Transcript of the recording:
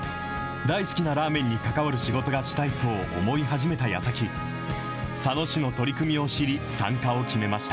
大好きなラーメンに関わる仕事がしたいと思い始めたやさき、佐野市の取り組みを知り、参加を決めました。